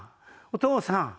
お父さん！